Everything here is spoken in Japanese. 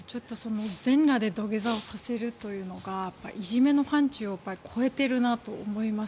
全裸で土下座をさせるというのがいじめの範ちゅうを超えているなと思います。